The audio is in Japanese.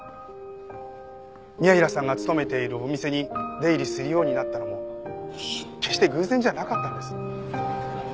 宮平さんが勤めているお店に出入りするようになったのも決して偶然じゃなかったんです。